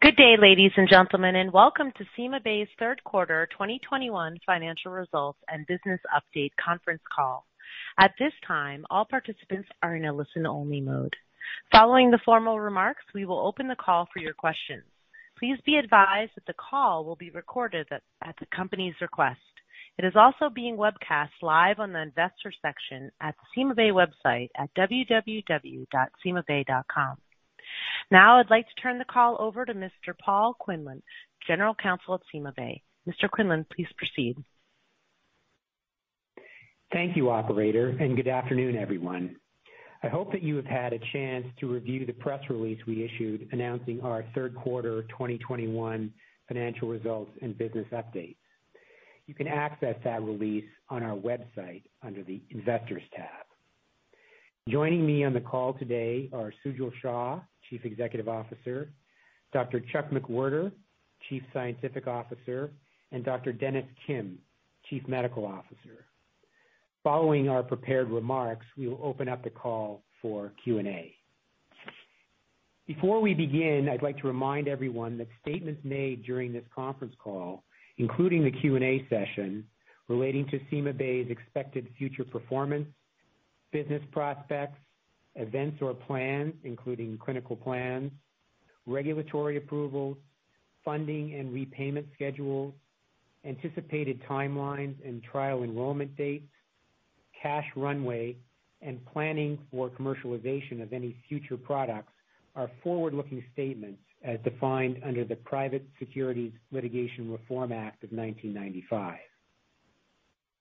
Good day, ladies and gentlemen, and welcome to CymaBay's third quarter 2021 financial results and business update conference call. At this time, all participants are in a listen-only mode. Following the formal remarks, we will open the call for your questions. Please be advised that the call will be recorded at the company's request. It is also being webcast live on the Investors section at CymaBay website at www.cymabay.com. Now I'd like to turn the call over to Mr. Paul Quinlan, General Counsel at CymaBay. Mr. Quinlan, please proceed. Thank you, operator, and good afternoon, everyone. I hope that you have had a chance to review the press release we issued announcing our third quarter 2021 financial results and business update. You can access that release on our website under the Investors tab. Joining me on the call today are Sujal Shah, Chief Executive Officer, Dr. Chuck McWherter, Chief Scientific Officer, and Dr. Dennis Kim, Chief Medical Officer. Following our prepared remarks, we will open up the call for Q&A. Before we begin, I'd like to remind everyone that statements made during this conference call, including the Q&A session, relating to CymaBay's expected future performance, business prospects, events or plans, including clinical plans, regulatory approvals, funding and repayment schedules, anticipated timelines and trial enrollment dates, cash runway, and planning for commercialization of any future products are forward-looking statements as defined under the Private Securities Litigation Reform Act of 1995.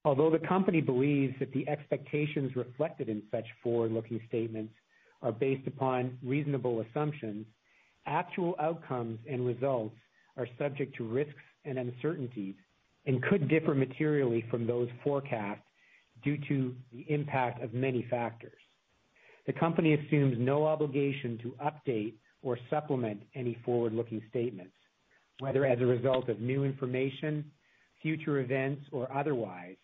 Although the company believes that the expectations reflected in such forward-looking statements are based upon reasonable assumptions, actual outcomes and results are subject to risks and uncertainties and could differ materially from those forecasts due to the impact of many factors. The company assumes no obligation to update or supplement any forward-looking statements, whether as a result of new information, future events, or otherwise,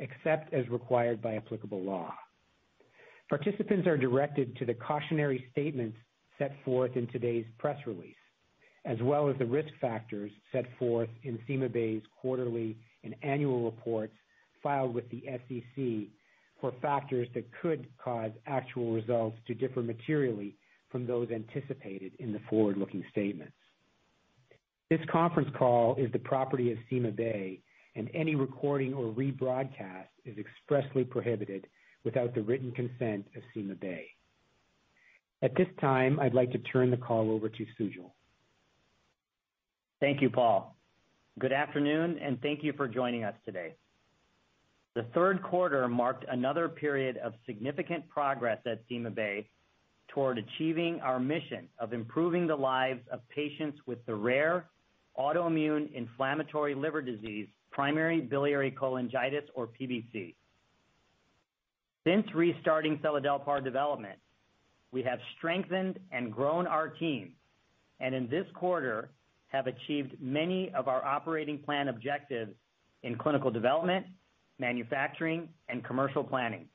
except as required by applicable law. Participants are directed to the cautionary statements set forth in today's press release, as well as the risk factors set forth in CymaBay's quarterly and annual reports filed with the SEC for factors that could cause actual results to differ materially from those anticipated in the forward-looking statements. This conference call is the property of CymaBay, and any recording or rebroadcast is expressly prohibited without the written consent of CymaBay. At this time, I'd like to turn the call over to Sujal. Thank you, Paul. Good afternoon, and thank you for joining us today. The third quarter marked another period of significant progress at CymaBay toward achieving our mission of improving the lives of patients with the rare autoimmune inflammatory liver disease, primary biliary cholangitis or PBC. Since restarting seladelpar development, we have strengthened and grown our team, and in this quarter have achieved many of our operating plan objectives in clinical development, manufacturing, and commercial planning.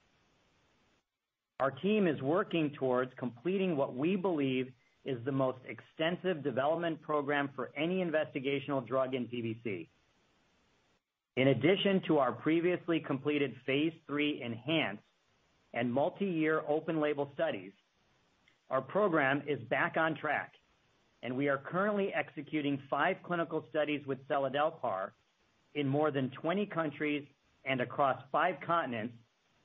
Our team is working towards completing what we believe is the most extensive development program for any investigational drug in PBC. In addition to our previously completed phase III ENHANCE and multiyear open-label studies, our program is back on track, and we are currently executing five clinical studies with seladelpar in more than 20 countries and across five continents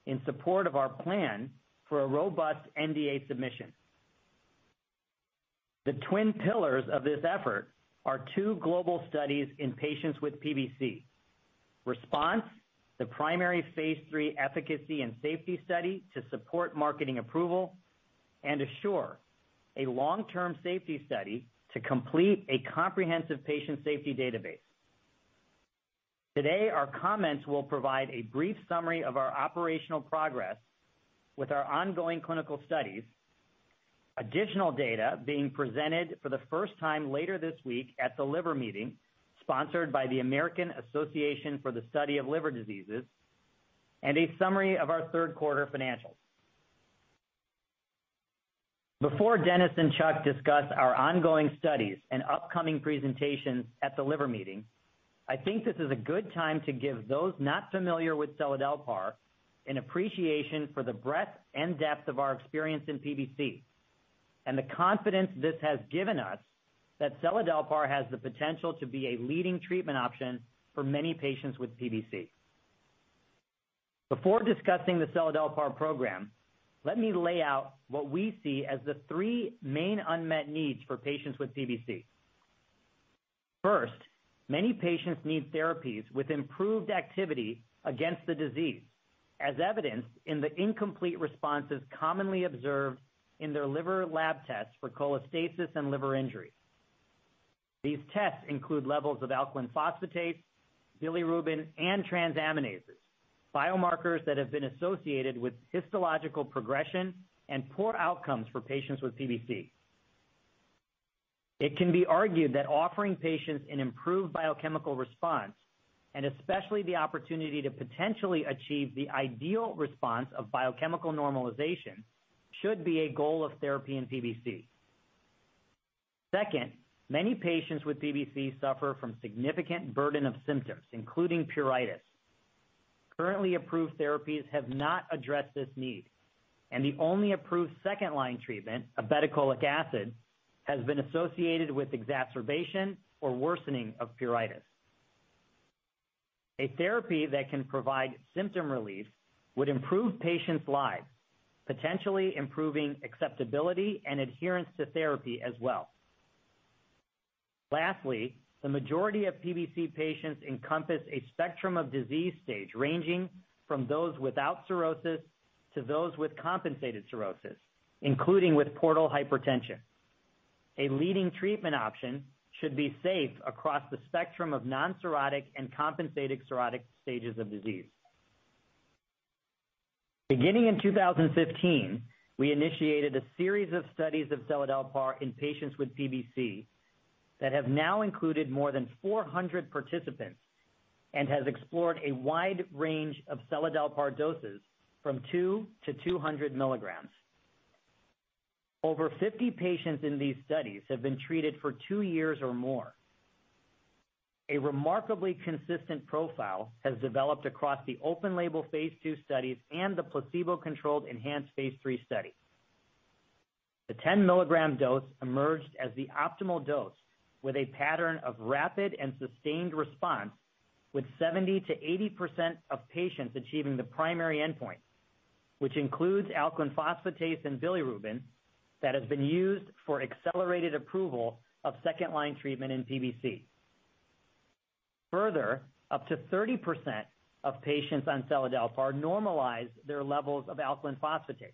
in support of our plan for a robust NDA submission. The twin pillars of this effort are two global studies in patients with PBC. RESPONSE, the primary phase III efficacy and safety study to support marketing approval, and ASSURE, a long-term safety study to complete a comprehensive patient safety database. Today, our comments will provide a brief summary of our operational progress with our ongoing clinical studies, additional data being presented for the first time later this week at the Liver Meeting, sponsored by the American Association for the Study of Liver Diseases, and a summary of our third quarter financials. Before Dennis and Chuck discuss our ongoing studies and upcoming presentations at the Liver Meeting, I think this is a good time to give those not familiar with seladelpar an appreciation for the breadth and depth of our experience in PBC and the confidence this has given us that seladelpar has the potential to be a leading treatment option for many patients with PBC. Before discussing the seladelpar program, let me lay out what we see as the three main unmet needs for patients with PBC. First, many patients need therapies with improved activity against the disease, as evidenced in the incomplete responses commonly observed in their liver lab tests for cholestasis and liver injury. These tests include levels of alkaline phosphatase, bilirubin, and transaminases, biomarkers that have been associated with histological progression and poor outcomes for patients with PBC. It can be argued that offering patients an improved biochemical response and especially the opportunity to potentially achieve the ideal response of biochemical normalization should be a goal of therapy in PBC. Second, many patients with PBC suffer from significant burden of symptoms, including pruritus. Currently approved therapies have not addressed this need, and the only approved second-line treatment of ursodeoxycholic acid has been associated with exacerbation or worsening of pruritus. A therapy that can provide symptom relief would improve patients' lives, potentially improving acceptability and adherence to therapy as well. Lastly, the majority of PBC patients encompass a spectrum of disease stage, ranging from those without cirrhosis to those with compensated cirrhosis, including with portal hypertension. A leading treatment option should be safe across the spectrum of non-cirrhotic and compensated cirrhotic stages of disease. Beginning in 2015, we initiated a series of studies of seladelpar in patients with PBC that have now included more than 400 participants and has explored a wide range of seladelpar doses from 2 mg-200 mg. Over 50 patients in these studies have been treated for two years or more. A remarkably consistent profile has developed across the open-label phase II studies and the placebo-controlled ENHANCE phase III study. The 10-mg dose emerged as the optimal dose with a pattern of rapid and sustained response with 70%-80% of patients achieving the primary endpoint, which includes alkaline phosphatase and bilirubin that has been used for accelerated approval of second-line treatment in PBC. Further, up to 30% of patients on seladelpar normalize their levels of alkaline phosphatase,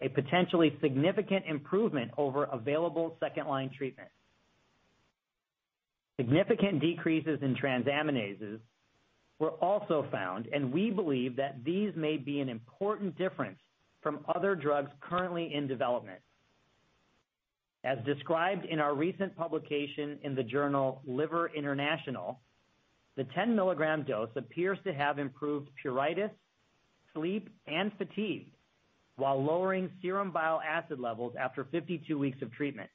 a potentially significant improvement over available second-line treatment. Significant decreases in transaminases were also found, and we believe that these may be an important difference from other drugs currently in development. As described in our recent publication in the journal Liver International, the 10-mg dose appears to have improved pruritus, sleep, and fatigue while lowering serum bile acid levels after 52 weeks of treatment.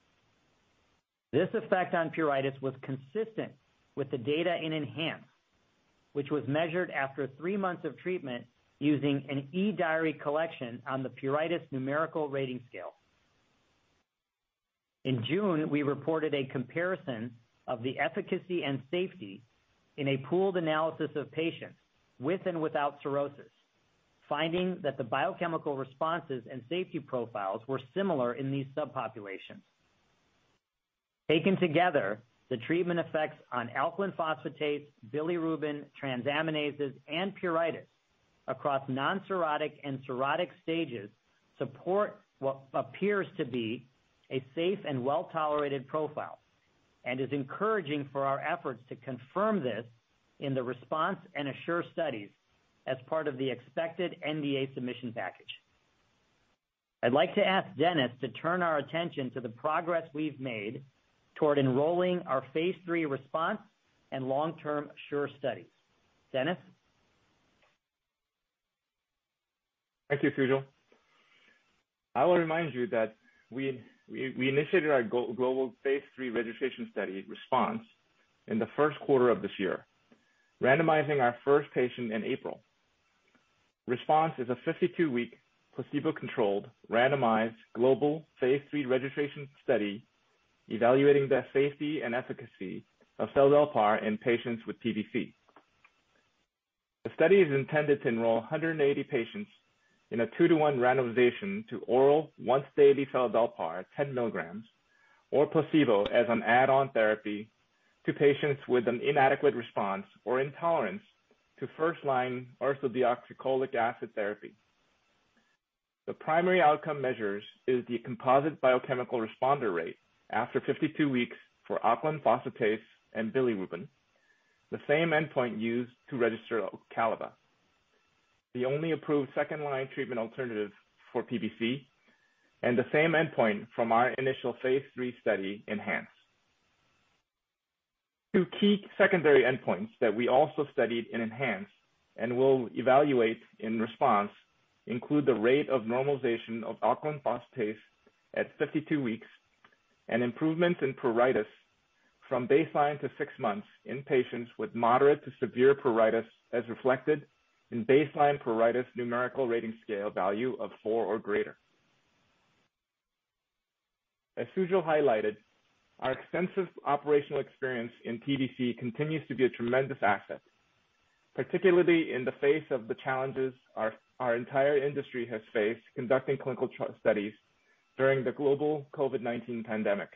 This effect on pruritus was consistent with the data in ENHANCE, which was measured after three months of treatment using an eDiary collection on the pruritus numerical rating scale. In June, we reported a comparison of the efficacy and safety in a pooled analysis of patients with and without cirrhosis, finding that the biochemical responses and safety profiles were similar in these subpopulations. Taken together, the treatment effects on alkaline phosphatase, bilirubin, transaminases, and pruritus across non-cirrhotic and cirrhotic stages support what appears to be a safe and well-tolerated profile and is encouraging for our efforts to confirm this in the RESPONSE and ASSURE studies as part of the expected NDA submission package. I'd like to ask Dennis to turn our attention to the progress we've made toward enrolling our phase III RESPONSE and long-term ASSURE studies. Dennis? Thank you, Sujal. I will remind you that we initiated our go-global phase III registration study RESPONSE in the first quarter of this year, randomizing our first patient in April. RESPONSE is a 52-week placebo-controlled randomized global phase III registration study evaluating the safety and efficacy of seladelpar in patients with PBC. The study is intended to enroll 180 patients in a 2-to-1 randomization to oral once daily seladelpar 10 mg or placebo as an add-on therapy to patients with an inadequate response or intolerance to first-line ursodeoxycholic acid therapy. The primary outcome measures is the composite biochemical responder rate after 52 weeks for alkaline phosphatase and bilirubin, the same endpoint used to register Ocaliva, the only approved second-line treatment alternative for PBC, and the same endpoint from our initial phase III study ENHANCE. Two key secondary endpoints that we also studied in ENHANCE and will evaluate in RESPONSE include the rate of normalization of alkaline phosphatase at 52 weeks and improvements in pruritus from baseline to six months in patients with moderate to severe pruritus as reflected in baseline pruritus numerical rating scale value of four or greater. As Sujal highlighted, our extensive operational experience in PBC continues to be a tremendous asset, particularly in the face of the challenges our entire industry has faced conducting clinical studies during the global COVID-19 pandemic.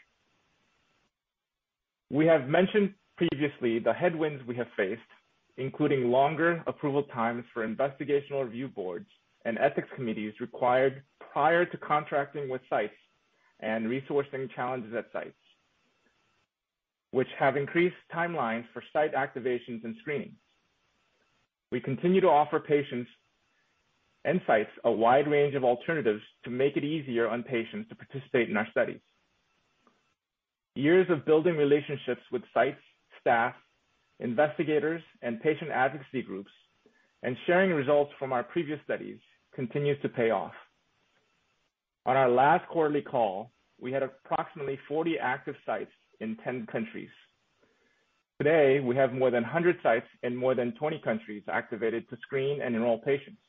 We have mentioned previously the headwinds we have faced, including longer approval times for investigational review boards and ethics committees required prior to contracting with sites and resourcing challenges at sites, which have increased timelines for site activations and screenings. We continue to offer patients and sites a wide range of alternatives to make it easier on patients to participate in our studies. Years of building relationships with sites, staff, investigators, and patient advocacy groups and sharing results from our previous studies continues to pay off. On our last quarterly call, we had approximately 40 active sites in 10 countries. Today, we have more than 100 sites in more than 20 countries activated to screen and enroll patients,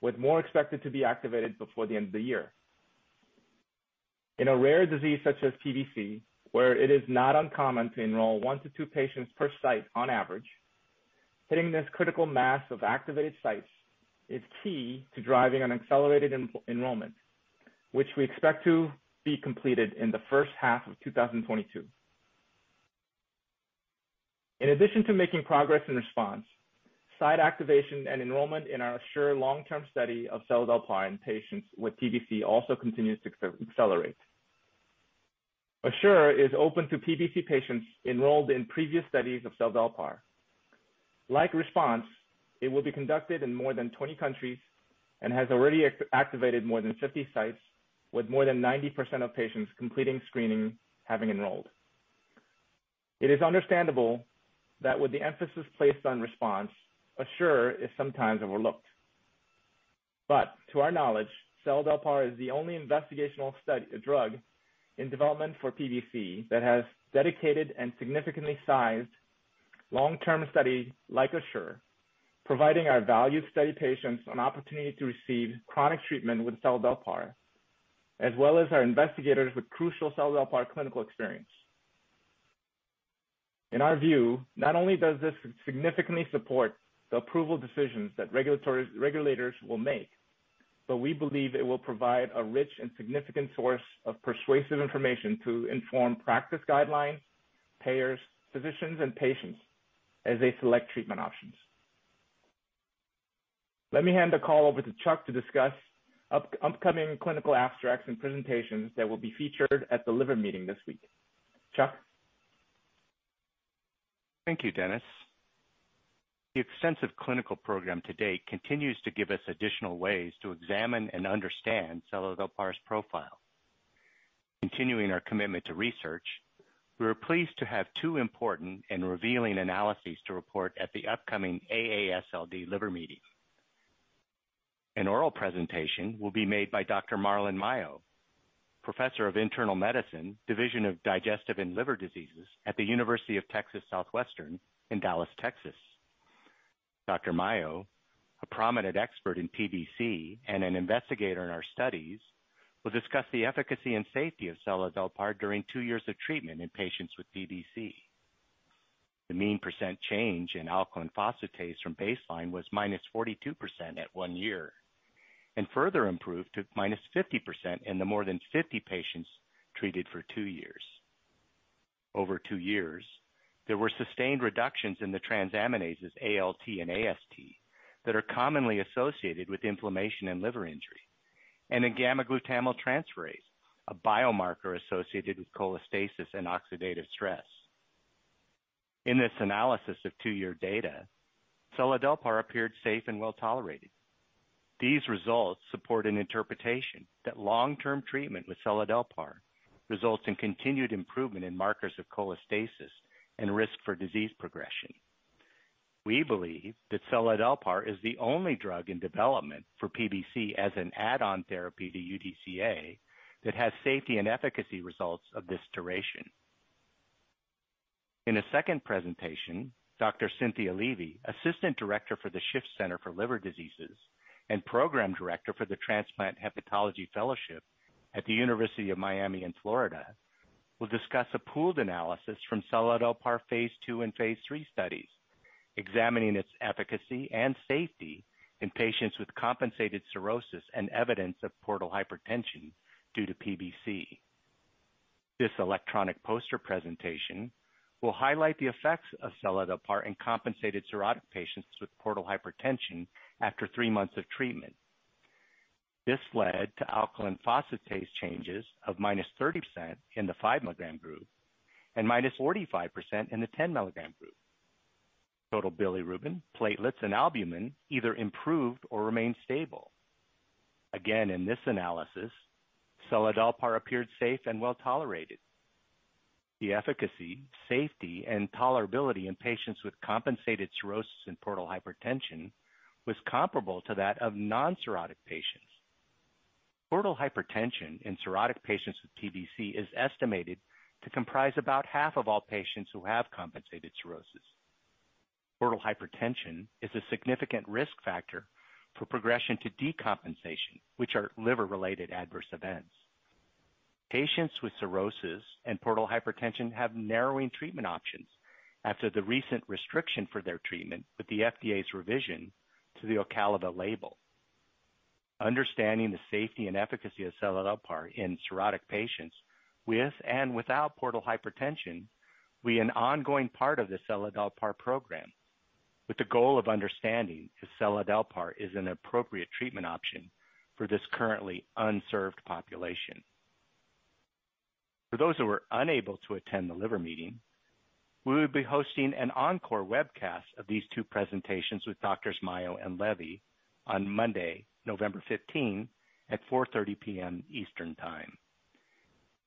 with more expected to be activated before the end of the year. In a rare disease such as PBC, where it is not uncommon to enroll one-two patients per site on average, hitting this critical mass of activated sites is key to driving an accelerated enrollment, which we expect to be completed in the first half of 2022. In addition to making progress in RESPONSE, site activation and enrollment in our ASSURE long-term study of seladelpar in patients with PBC also continues to accelerate. ASSURE is open to PBC patients enrolled in previous studies of seladelpar. Like RESPONSE, it will be conducted in more than 20 countries and has already activated more than 50 sites with more than 90% of patients completing screening having enrolled. It is understandable that with the emphasis placed on RESPONSE, ASSURE is sometimes overlooked. To our knowledge, seladelpar is the only investigational drug in development for PBC that has dedicated and significantly sized long-term study like ASSURE, providing our valued study patients an opportunity to receive chronic treatment with seladelpar, as well as our investigators with crucial seladelpar clinical experience. In our view, not only does this significantly support the approval decisions that regulators will make, but we believe it will provide a rich and significant source of persuasive information to inform practice guidelines, payers, physicians, and patients as they select treatment options. Let me hand the call over to Chuck to discuss upcoming clinical abstracts and presentations that will be featured at The Liver Meeting this week. Chuck? Thank you, Dennis. The extensive clinical program to date continues to give us additional ways to examine and understand seladelpar's profile. Continuing our commitment to research, we are pleased to have two important and revealing analyses to report at the upcoming AASLD Liver Meeting. An oral presentation will be made by Dr. Marlyn Mayo, Professor of Internal Medicine, Division of Digestive and Liver Diseases at UT Southwestern Medical Center in Dallas, Texas. Dr. Mayo, a prominent expert in PBC and an investigator in our studies, will discuss the efficacy and safety of seladelpar during two years of treatment in patients with PBC. The mean percent change in alkaline phosphatase from baseline was -42% at one year and further improved to -50% in the more than 50 patients treated for two years. Over two years, there were sustained reductions in the transaminases ALT and AST that are commonly associated with inflammation and liver injury and a gamma-glutamyl transferase, a biomarker associated with cholestasis and oxidative stress. In this analysis of two-year data, seladelpar appeared safe and well-tolerated. These results support an interpretation that long-term treatment with seladelpar results in continued improvement in markers of cholestasis and risk for disease progression. We believe that seladelpar is the only drug in development for PBC as an add-on therapy to UDCA that has safety and efficacy results of this duration. In a second presentation, Dr. Cynthia Levy, Assistant Director for the Schiff Center for Liver Diseases and Program Director for the Transplant Hepatology Fellowship at the University of Miami in Florida, will discuss a pooled analysis from seladelpar phase II and phase III studies examining its efficacy and safety in patients with compensated cirrhosis and evidence of portal hypertension due to PBC. This electronic poster presentation will highlight the effects of seladelpar in compensated cirrhotic patients with portal hypertension after three months of treatment. This led to alkaline phosphatase changes of -30% in the 5-mg group and -45% in the 10-mg group. Total bilirubin, platelets, and albumin either improved or remained stable. Again, in this analysis, seladelpar appeared safe and well-tolerated. The efficacy, safety, and tolerability in patients with compensated cirrhosis and portal hypertension was comparable to that of non-cirrhotic patients. Portal hypertension in cirrhotic patients with PBC is estimated to comprise about half of all patients who have compensated cirrhosis. Portal hypertension is a significant risk factor for progression to decompensation, which are liver-related adverse events. Patients with cirrhosis and portal hypertension have narrowing treatment options after the recent restriction for their treatment with the FDA's revision to the Ocaliva label. Understanding the safety and efficacy of seladelpar in cirrhotic patients with and without portal hypertension will be an ongoing part of the seladelpar program, with the goal of understanding if seladelpar is an appropriate treatment option for this currently unserved population. For those who are unable to attend the Liver Meeting. We will be hosting an encore webcast of these two presentations with Doctors Mayo and Levy on Monday, November 15 at 4:30 P.M. Eastern Time.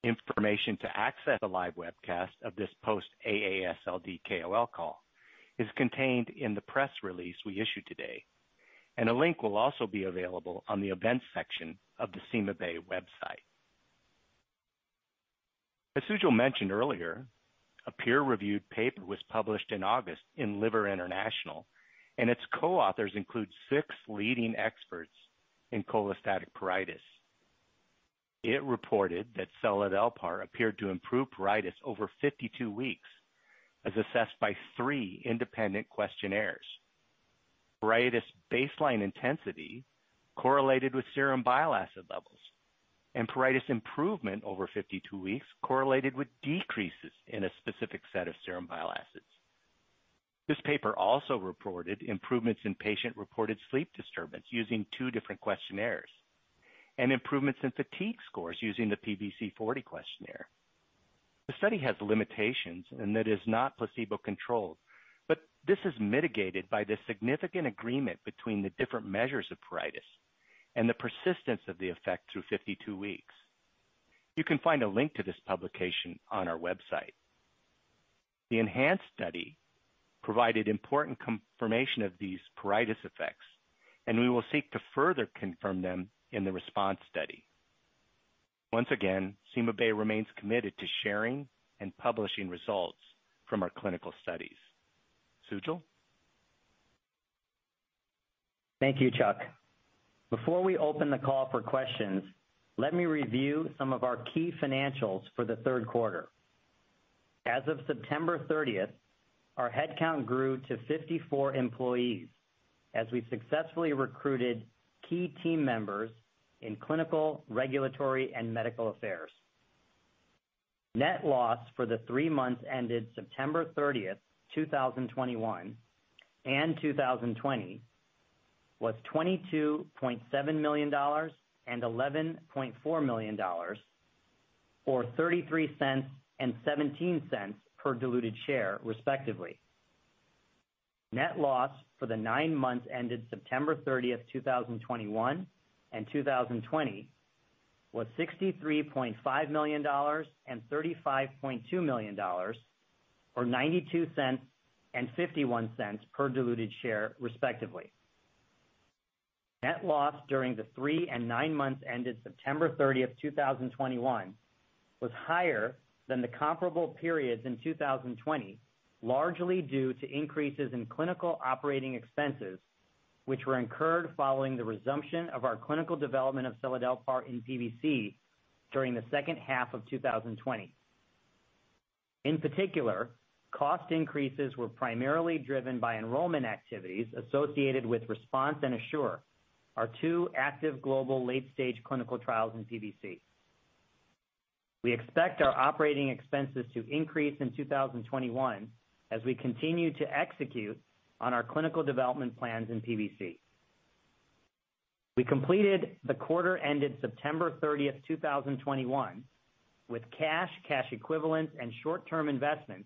Information to access the live webcast of this post AASLD KOL call is contained in the press release we issued today, and a link will also be available on the Events section of the CymaBay website. As Sujal mentioned earlier, a peer-reviewed paper was published in August in Liver International, and its co-authors include six leading experts in cholestatic pruritus. It reported that seladelpar appeared to improve pruritus over 52 weeks, as assessed by three independent questionnaires. Pruritus baseline intensity correlated with serum bile acid levels and pruritus improvement over 52 weeks correlated with decreases in a specific set of serum bile acids. This paper also reported improvements in patient-reported sleep disturbance using two different questionnaires and improvements in fatigue scores using the PBC-40 questionnaire. The study has limitations in that it is not placebo-controlled, but this is mitigated by the significant agreement between the different measures of pruritus and the persistence of the effect through 52 weeks. You can find a link to this publication on our website. The ENHANCE study provided important confirmation of these pruritus effects, and we will seek to further confirm them in the RESPONSE study. Once again, CymaBay remains committed to sharing and publishing results from our clinical studies. Sujal? Thank you, Chuck. Before we open the call for questions, let me review some of our key financials for the third quarter. As of September 30th, our headcount grew to 54 employees as we successfully recruited key team members in clinical, regulatory, and medical affairs. Net loss for the three months ended September 30th, 2021 and 2020 was $22.7 million and $11.4 million, or $0.33 and $0.17 per diluted share, respectively. Net loss for the nine months ended September 30th, 2021 and 2020 was $63.5 million and $35.2 million or $0.92 and $0.51 per diluted share, respectively. Net loss during the three and nine months ended September 30th, 2021 was higher than the comparable periods in 2020, largely due to increases in clinical operating expenses, which were incurred following the resumption of our clinical development of seladelpar in PBC during the second half of 2020. In particular, cost increases were primarily driven by enrollment activities associated with RESPONSE and ASSURE, our two active global late-stage clinical trials in PBC. We expect our operating expenses to increase in 2021 as we continue to execute on our clinical development plans in PBC. We completed the quarter ended September 30th, 2021 with cash equivalents and short-term investments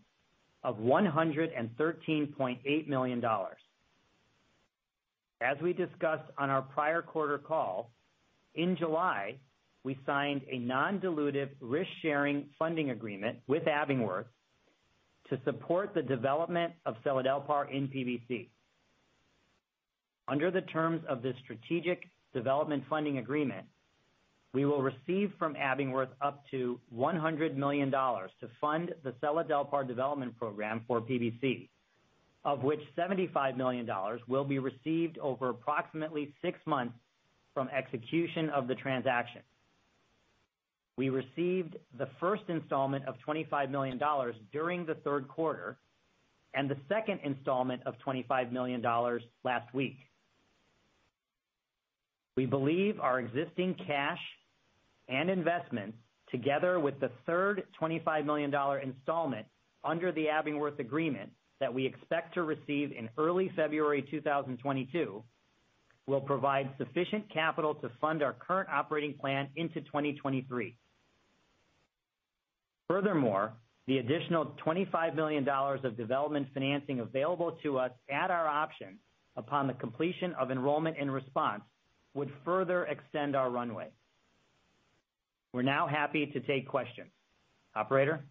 of $113.8 million. As we discussed on our prior quarter call, in July, we signed a non-dilutive risk-sharing funding agreement with Abingworth to support the development of seladelpar in PBC. Under the terms of this strategic development funding agreement, we will receive from Abingworth up to $100 million to fund the seladelpar development program for PBC, of which $75 million will be received over approximately six months from execution of the transaction. We received the first installment of $25 million during the third quarter and the second installment of $25 million last week. We believe our existing cash and investment, together with the third $25 million installment under the Abingworth agreement that we expect to receive in early February 2022, will provide sufficient capital to fund our current operating plan into 2023. Furthermore, the additional $25 million of development financing available to us at our option upon the completion of enrollment and RESPONSE would further extend our runway. We're now happy to take questions. Operator?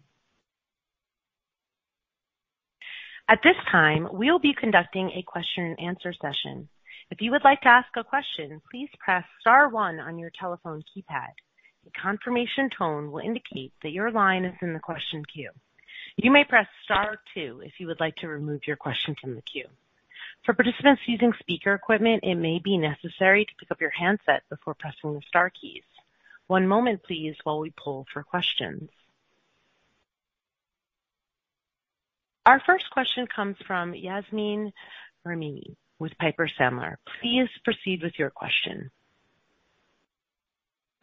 At this time, we will be conducting a question-and-answer session. If you would like to ask a question, please press star one on your telephone keypad. A confirmation tone will indicate that your line is in the question queue. You may press star two if you would like to remove your question from the queue. For participants using speaker equipment, it may be necessary to pick up your handset before pressing the star keys. One moment please while we poll for questions. Our first question comes from Yasmeen Rahimi with Piper Sandler. Please proceed with your question.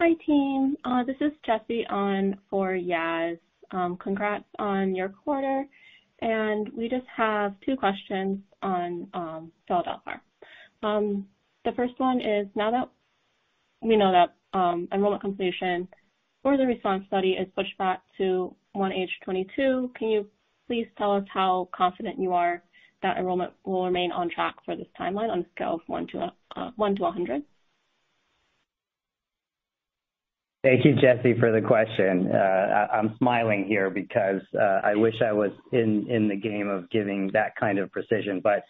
Hi, team. This is Jesse on for Yas. Congrats on your quarter, and we just have two questions. The first one is, now that we know that enrollment completion for the RESPONSE study is pushed back to H1 2022, can you please tell us how confident you are that enrollment will remain on track for this timeline on a scale of one to 100? Thank you, Jesse, for the question. I'm smiling here because I wish I was in the game of giving that kind of precision. But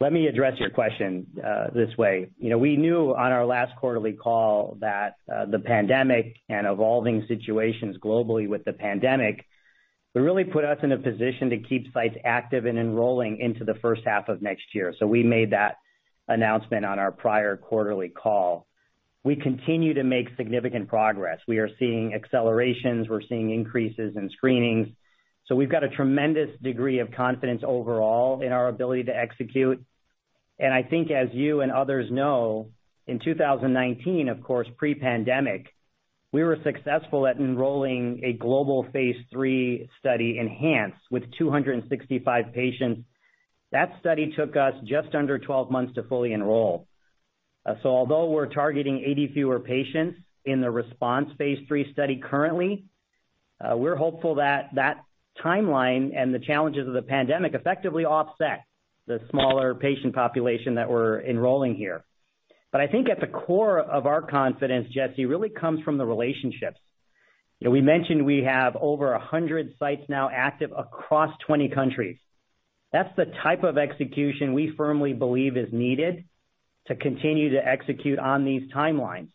let me address your question this way. You know, we knew on our last quarterly call that the pandemic and evolving situations globally with the pandemic would really put us in a position to keep sites active and enrolling into the first half of next year. We made that announcement on our prior quarterly call. We continue to make significant progress. We are seeing accelerations. We're seeing increases in screenings. We've got a tremendous degree of confidence overall in our ability to execute. I think, as you and others know, in 2019, of course pre-pandemic, we were successful at enrolling a global phase III study, ENHANCE, with 265 patients. That study took us just under 12 months to fully enroll. Although we're targeting 80 fewer patients in the RESPONSE phase III study currently, we're hopeful that that timeline and the challenges of the pandemic effectively offset the smaller patient population that we're enrolling here. I think at the core of our confidence, Jesse, really comes from the relationships. You know, we mentioned we have over 100 sites now active across 20 countries. That's the type of execution we firmly believe is needed to continue to execute on these timelines.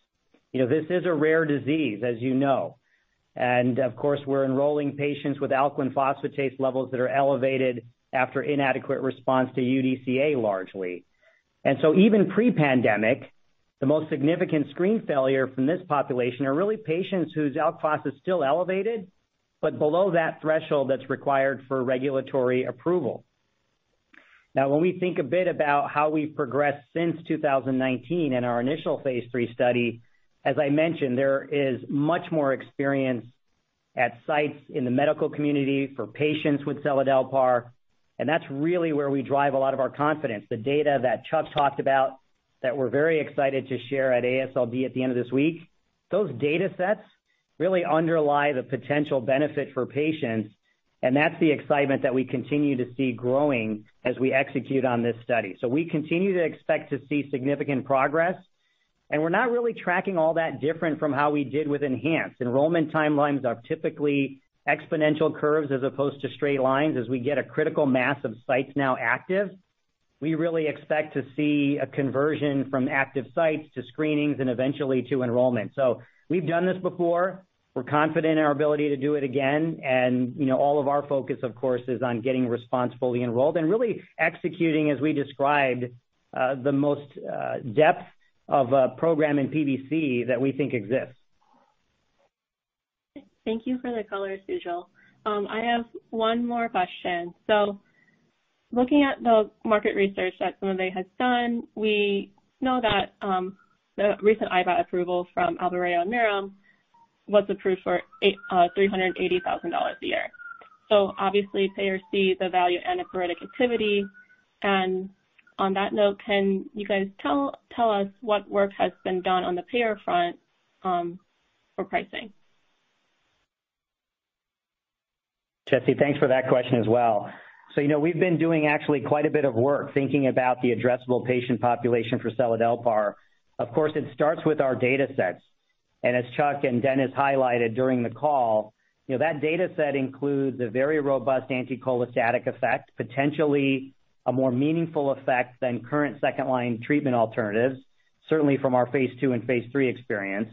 You know, this is a rare disease, as you know, and of course, we're enrolling patients with alkaline phosphatase levels that are elevated after inadequate response to UDCA largely. Even pre-pandemic, the most significant screen failure from this population are really patients whose Alk Phos is still elevated, but below that threshold that's required for regulatory approval. Now, when we think a bit about how we've progressed since 2019 in our initial phase III study, as I mentioned, there is much more experience at sites in the medical community for patients with seladelpar, and that's really where we drive a lot of our confidence. The data that Chuck talked about that we're very excited to share at AASLD at the end of this week, those datasets really underlie the potential benefit for patients, and that's the excitement that we continue to see growing as we execute on this study. We continue to expect to see significant progress, and we're not really tracking all that different from how we did with ENHANCE. Enrollment timelines are typically exponential curves as opposed to straight lines. As we get a critical mass of sites now active, we really expect to see a conversion from active sites to screenings and eventually to enrollment. We've done this before. We're confident in our ability to do it again. You know, all of our focus, of course, is on getting RESPONSE fully enrolled and really executing, as we described, the most depth of a program in PBC that we think exists. Thank you for the color, Sujal. I have one more question. Looking at the market research that some of you have done, we know that the recent IBAT approval from Albireo Mira was approved for $380,000 a year. Obviously, payers see the value antipruritic activity. On that note, can you guys tell us what work has been done on the payer front for pricing? Jesse, thanks for that question as well. You know, we've been doing actually quite a bit of work thinking about the addressable patient population for seladelpar. Of course, it starts with our datasets. As Chuck and Dennis highlighted during the call, you know, that dataset includes a very robust anticholestatic effect, potentially a more meaningful effect than current second-line treatment alternatives, certainly from our phase II and phase III experience.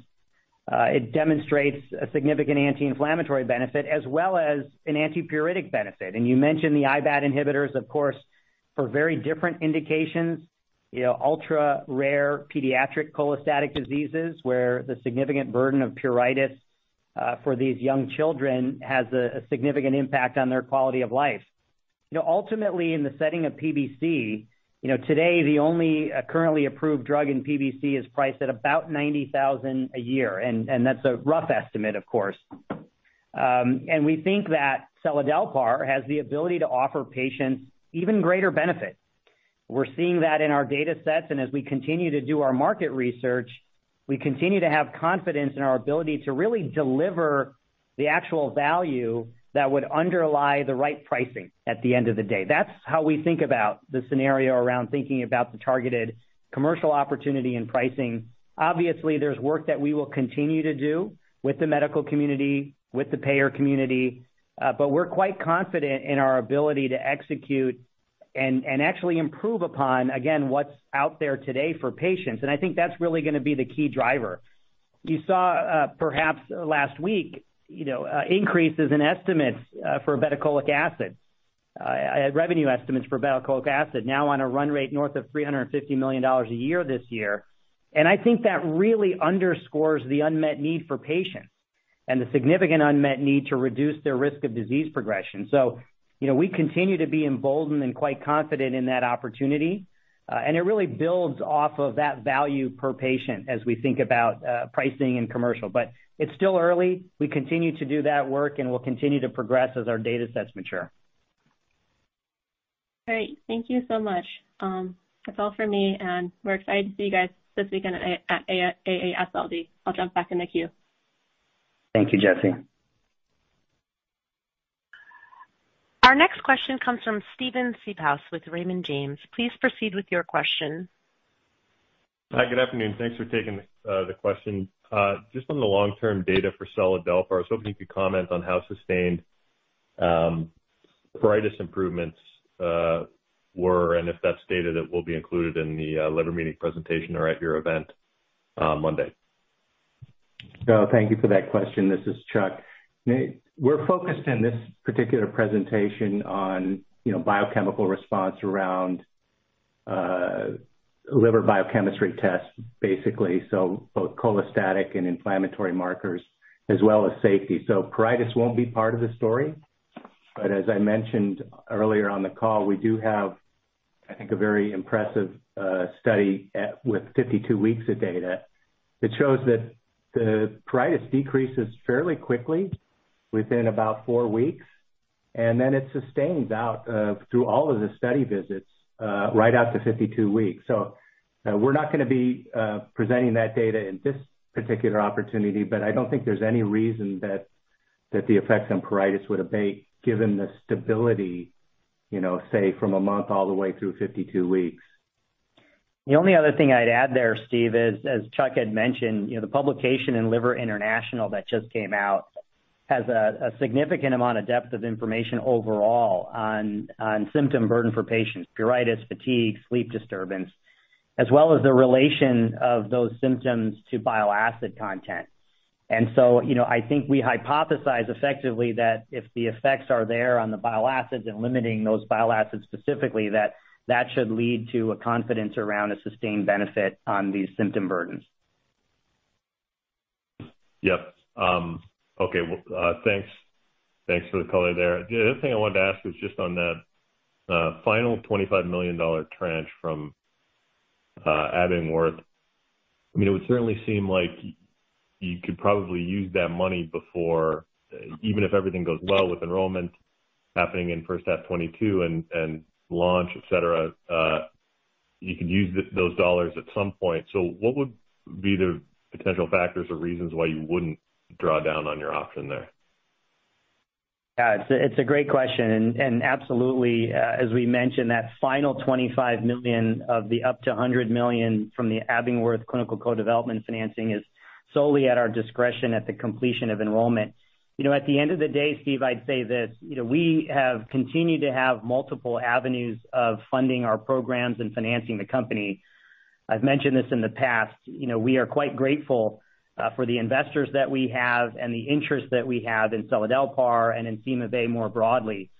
It demonstrates a significant anti-inflammatory benefit as well as an antipruritic benefit. You mentioned the IBAT inhibitors, of course, for very different indications, you know, ultra-rare pediatric cholestatic diseases, where the significant burden of pruritus for these young children has a significant impact on their quality of life. You know, ultimately, in the setting of PBC, you know, today, the only currently approved drug in PBC is priced at about $90,000 a year. That's a rough estimate, of course. We think that seladelpar has the ability to offer patients even greater benefit. We're seeing that in our datasets, and as we continue to do our market research, we continue to have confidence in our ability to really deliver the actual value that would underlie the right pricing at the end of the day. That's how we think about the scenario around thinking about the targeted commercial opportunity and pricing. Obviously, there's work that we will continue to do with the medical community, with the payer community, but we're quite confident in our ability to execute and actually improve upon, again, what's out there today for patients. I think that's really gonna be the key driver. You saw, perhaps last week, you know, increases in estimates, for obeticholic acid. Revenue estimates for obeticholic acid now on a run rate north of $350 million a year this year. I think that really underscores the unmet need for patients and the significant unmet need to reduce their risk of disease progression. You know, we continue to be emboldened and quite confident in that opportunity, and it really builds off of that value per patient as we think about, pricing and commercial. But it's still early. We continue to do that work, and we'll continue to progress as our datasets mature. Great. Thank you so much. That's all for me, and we're excited to see you guys this weekend at AASLD. I'll jump back in the queue. Thank you, Jesse. Our next question comes from Steven Seedhouse with Raymond James. Please proceed with your question. Hi, good afternoon. Thanks for taking the question. Just on the long-term data for seladelpar. I was hoping you could comment on how sustained pruritus improvements were and if that's data that will be included in the Liver Meeting presentation or at your event Monday. Thank you for that question. This is Chuck. We're focused in this particular presentation on, you know, biochemical response around liver biochemistry tests, basically, so both cholestatic and inflammatory markers as well as safety. Pruritus won't be part of the story. But as I mentioned earlier on the call, we do have, I think, a very impressive study with 52 weeks of data that shows that the pruritus decreases fairly quickly within about four weeks, and then it sustains out through all of the study visits right out to 52 weeks. We're not gonna be presenting that data in this particular opportunity, but I don't think there's any reason that the effects on pruritus would abate given the stability, you know, say from a month all the way through 52 weeks. The only other thing I'd add there, Steve, is as Chuck had mentioned, you know, the publication in Liver International that just came out has a significant amount of depth of information overall on symptom burden for patients, pruritus, fatigue, sleep disturbance, as well as the relation of those symptoms to bile acid content. You know, I think we hypothesize effectively that if the effects are there on the bile acids and limiting those bile acids specifically, that that should lead to a confidence around a sustained benefit on these symptom burdens. Yep. Okay. Well, thanks. Thanks for the color there. The other thing I wanted to ask is just on the final $25 million tranche from Abingworth. I mean, it would certainly seem like you could probably use that money before. Even if everything goes well with enrollment happening in first half 2022 and launch, etc., you could use those dollars at some point. What would be the potential factors or reasons why you wouldn't draw down on your option there? Yeah, it's a great question. Absolutely, as we mentioned, that final $25 million of the up to $100 million from the Abingworth clinical co-development financing is solely at our discretion at the completion of enrollment. You know, at the end of the day, Steve, I'd say this. You know, we have continued to have multiple avenues of funding our programs and financing the company. I've mentioned this in the past. You know, we are quite grateful for the investors that we have and the interest that we have in seladelpar and in CymaBay more broadly.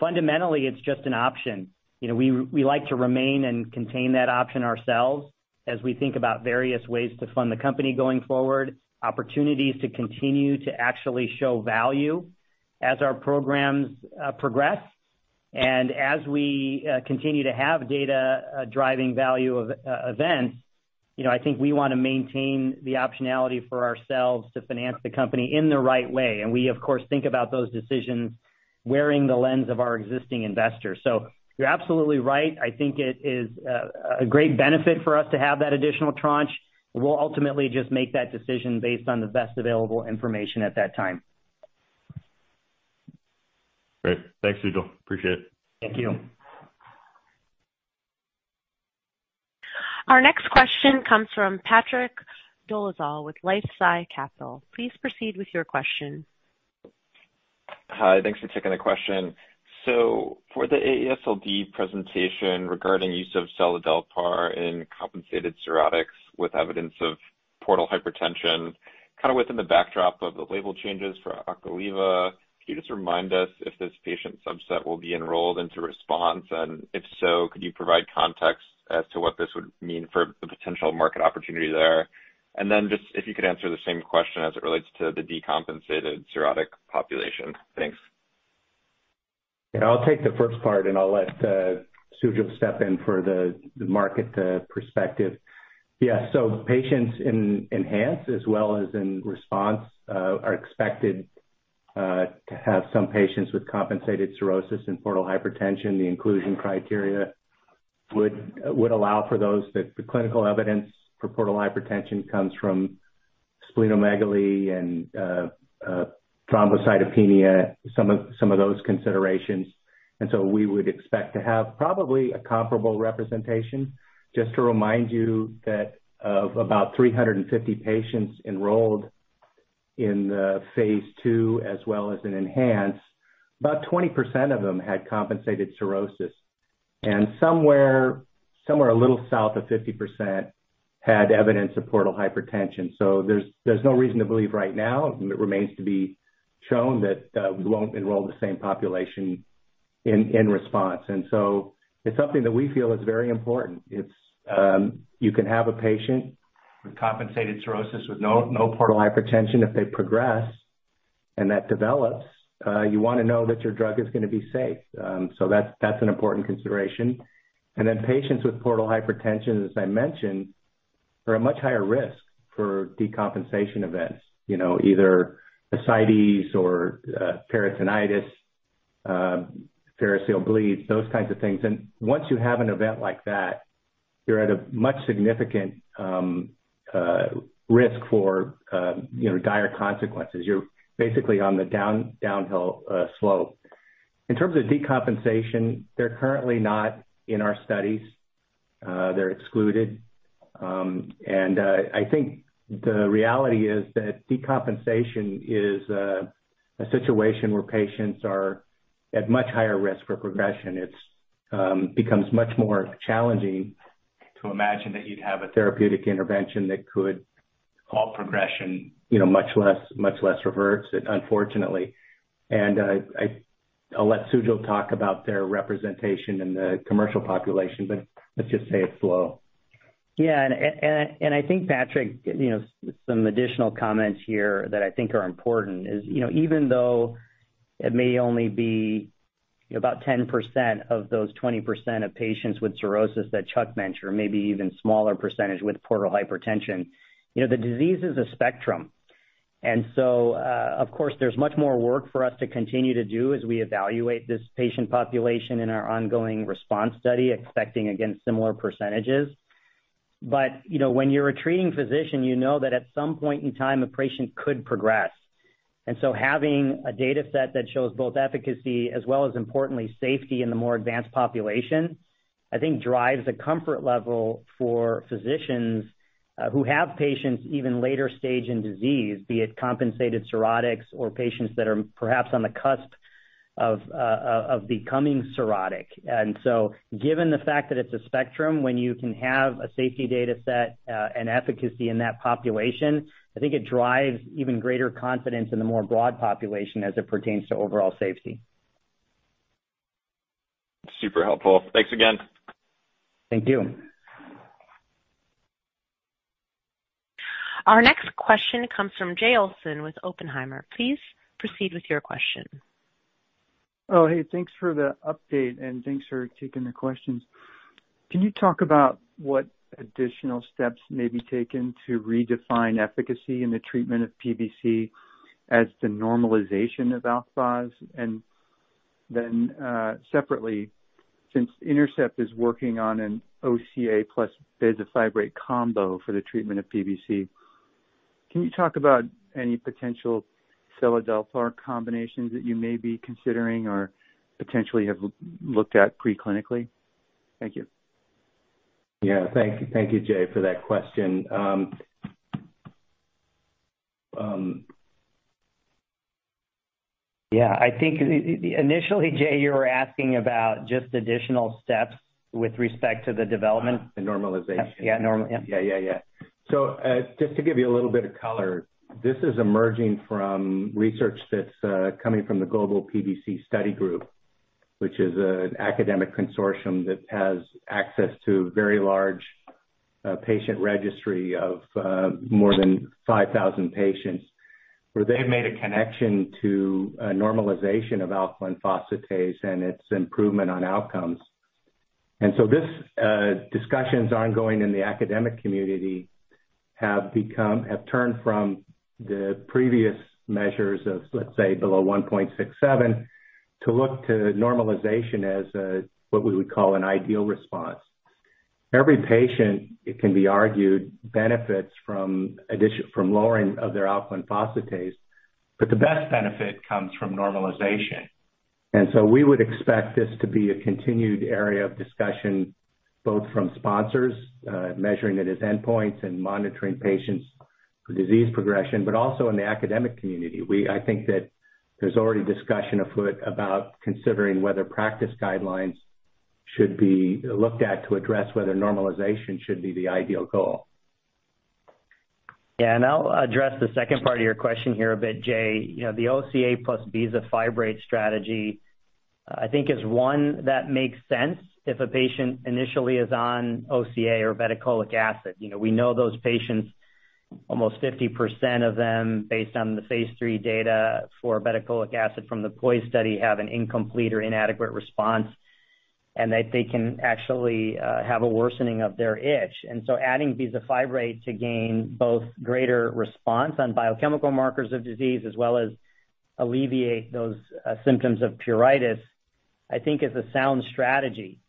Fundamentally, it's just an option. You know, we like to retain control of that option ourselves as we think about various ways to fund the company going forward, opportunities to continue to actually show value as our programs progress. As we continue to have data driving value of events, you know, I think we wanna maintain the optionality for ourselves to finance the company in the right way. We, of course, think about those decisions wearing the lens of our existing investors. You're absolutely right. I think it is a great benefit for us to have that additional tranche. We'll ultimately just make that decision based on the best available information at that time. Great. Thanks, Sujal. Appreciate it. Thank you. Our next question comes from Patrick Dolezal with LifeSci Capital. Please proceed with your question. Hi. Thanks for taking the question. For the AASLD presentation regarding use of seladelpar in compensated cirrhotics with evidence of portal hypertension, kind of within the backdrop of the label changes for Ocaliva, can you just remind us if this patient subset will be enrolled into RESPONSE? And if so, could you provide context as to what this would mean for the potential market opportunity there? Then just if you could answer the same question as it relates to the decompensated cirrhotic population. Thanks. Yeah, I'll take the first part, and I'll let Sujal step in for the market perspective. Yeah. Patients in ENHANCE as well as in RESPONSE are expected to have some patients with compensated cirrhosis and portal hypertension. The inclusion criteria would allow for those that the clinical evidence for portal hypertension comes from splenomegaly and thrombocytopenia, some of those considerations. We would expect to have probably a comparable representation. Just to remind you that of about 350 patients enrolled in the phase II as well as in ENHANCE, about 20% of them had compensated cirrhosis, and somewhere a little south of 50% had evidence of portal hypertension. There's no reason to believe right now. It remains to be shown that we won't enroll the same population in RESPONSE. It's something that we feel is very important. You can have a patient with compensated cirrhosis with no portal hypertension. If they progress and that develops, you wanna know that your drug is gonna be safe. That's an important consideration. Patients with portal hypertension, as I mentioned. They're a much higher risk for decompensation events, you know, either ascites or peritonitis, variceal bleeds, those kinds of things. Once you have an event like that, you're at a much more significant risk for dire consequences. You're basically on the downhill slope. In terms of decompensation, they're currently not in our studies. They're excluded. I think the reality is that decompensation is a situation where patients are at much higher risk for progression. It becomes much more challenging to imagine that you'd have a therapeutic intervention that could halt progression, you know, much less reverse it, unfortunately. I'll let Sujal talk about their representation in the commercial population, but let's just say it's low. I think, Patrick, you know, some additional comments here that I think are important is, you know, even though it may only be about 10% of those 20% of patients with cirrhosis that Chuck mentioned, or maybe even smaller percentage with portal hypertension, you know, the disease is a spectrum. Of course, there's much more work for us to continue to do as we evaluate this patient population in our ongoing RESPONSE study, expecting, again, similar percentages. You know, when you're a treating physician, you know that at some point in time, a patient could progress. Having a data set that shows both efficacy as well as importantly safety in the more advanced population, I think drives a comfort level for physicians, who have patients even later stage in disease, be it compensated cirrhotics or patients that are perhaps on the cusp of becoming cirrhotic. Given the fact that it's a spectrum, when you can have a safety data set, and efficacy in that population, I think it drives even greater confidence in the more broad population as it pertains to overall safety. Super helpful. Thanks again. Thank you. Our next question comes from Jay Olson with Oppenheimer. Please proceed with your question. Oh, hey, thanks for the update, and thanks for taking the questions. Can you talk about what additional steps may be taken to redefine efficacy in the treatment of PBC as the normalization of Alk Phos? Separately, since Intercept is working on an OCA plus bezafibrate combo for the treatment of PBC, can you talk about any potential seladelpar combinations that you may be considering or potentially have looked at pre-clinically? Thank you. Yeah. Thank you. Thank you, Jay, for that question. Yeah. I think initially, Jay, you were asking about just additional steps with respect to the development. The normalization. Yeah. Normal. Yeah. Just to give you a little bit of color, this is emerging from research that's coming from the Global PBC Study Group, which is an academic consortium that has access to a very large patient registry of more than 5,000 patients, where they've made a connection to a normalization of alkaline phosphatase and its improvement on outcomes. Discussions ongoing in the academic community have turned from the previous measures of, let's say, below 1.67x, to look to normalization as what we would call an ideal response. Every patient, it can be argued, benefits from lowering of their alkaline phosphatase, but the best benefit comes from normalization. We would expect this to be a continued area of discussion, both from sponsors, measuring it as endpoints and monitoring patients for disease progression, but also in the academic community. I think that there's already discussion afoot about considering whether practice guidelines should be looked at to address whether normalization should be the ideal goal. Yeah. I'll address the second part of your question here a bit, Jay. You know, the OCA plus bezafibrate strategy, I think is one that makes sense if a patient initially is on OCA or ursodeoxycholic acid. You know, we know those patients, almost 50% of them, based on the phase III data for ursodeoxycholic acid from the POISE study, have an incomplete or inadequate response, and that they can actually have a worsening of their itch. Adding bezafibrate to gain both greater response on biochemical markers of disease as well as alleviate those symptoms of pruritus, I think is a sound strategy.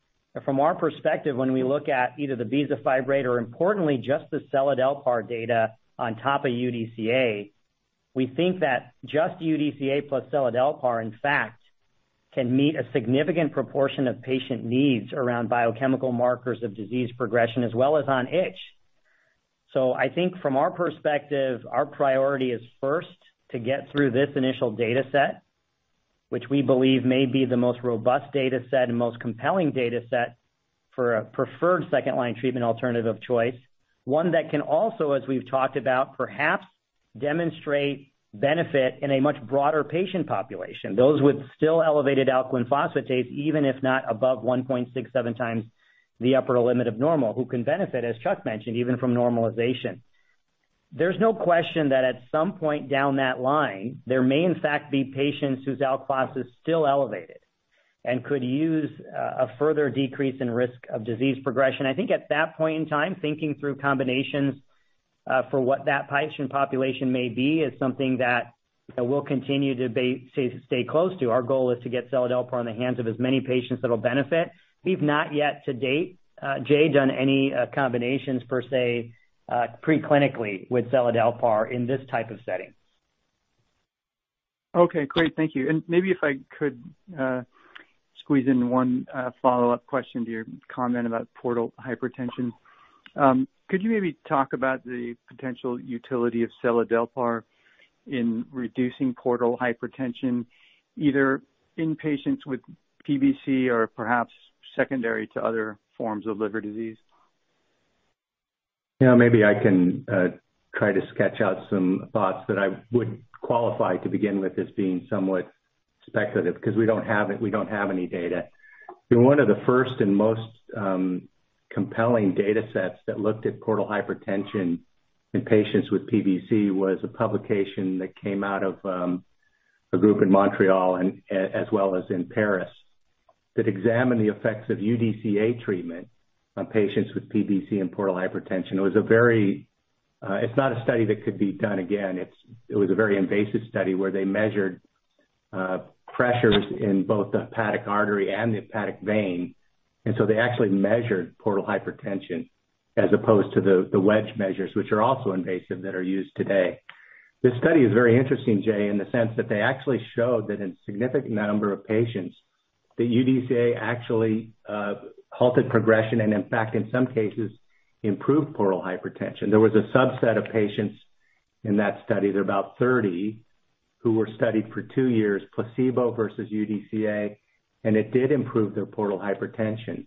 From our perspective, when we look at either the bezafibrate or importantly just the seladelpar data on top of UDCA, we think that just UDCA plus seladelpar, in fact, can meet a significant proportion of patient needs around biochemical markers of disease progression as well as on itch. I think from our perspective, our priority is first to get through this initial data set, which we believe may be the most robust data set and most compelling data set for a preferred second-line treatment alternative choice, one that can also, as we've talked about, perhaps demonstrate benefit in a much broader patient population, those with still elevated alkaline phosphatase, even if not above 1.67x the upper limit of normal, who can benefit, as Chuck mentioned, even from normalization. There's no question that at some point down that line, there may in fact be patients whose Alk Phos is still elevated and could use a further decrease in risk of disease progression. I think at that point in time, thinking through combinations, for what that patient population may be is something that we'll continue to stay close to. Our goal is to get seladelpar in the hands of as many patients that will benefit. We've not yet to date, Jay, done any combinations per se, pre-clinically with seladelpar in this type of setting. Okay, great. Thank you. Maybe if I could squeeze in one follow-up question to your comment about portal hypertension. Could you maybe talk about the potential utility of seladelpar in reducing portal hypertension, either in patients with PBC or perhaps secondary to other forms of liver disease? Yeah, maybe I can try to sketch out some thoughts that I would qualify to begin with as being somewhat speculative because we don't have any data. In one of the first and most compelling datasets that looked at portal hypertension in patients with PBC was a publication that came out of a group in Montreal and as well as in Paris, that examined the effects of UDCA treatment on patients with PBC and portal hypertension. It's not a study that could be done again. It was a very invasive study where they measured pressures in both the hepatic artery and the hepatic vein, and so they actually measured portal hypertension as opposed to the wedge measures, which are also invasive that are used today. The study is very interesting, Jay, in the sense that they actually showed that in a significant number of patients that UDCA actually halted progression and in fact in some cases improved portal hypertension. There was a subset of patients in that study, there are about 30 who were studied for two years, placebo versus UDCA, and it did improve their portal hypertension.